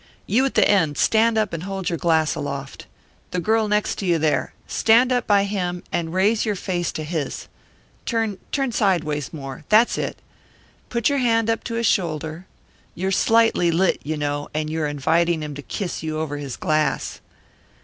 You at the end stand up and hold your glass aloft. The girl next to you there, stand up by him and raise your face to his turn sideways more. That's it. Put your hand up to his shoulder. You're slightly lit, you know, and you're inviting him to kiss you over his glass.